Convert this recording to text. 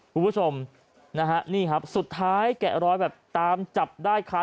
คุณผู้ชมนะฮะนี่ครับสุดท้ายแกะรอยแบบตามจับได้ค่ะ